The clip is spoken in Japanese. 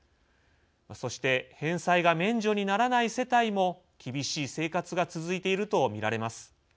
そして返済が免除にならない世帯も厳しい生活が続いていると見られます。